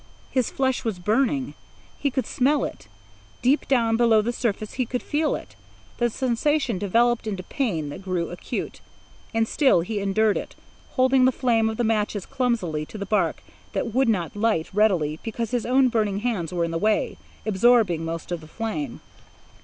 His flesh was burning. He could smell it. Deep down below the surface he could feel it. The sensation developed into pain that grew acute. And still he endured it, holding the flame of the matches clumsily to the bark that would not light readily because his own burning hands were in the way, absorbing most of the flame.